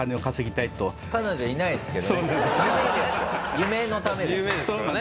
夢のためですね。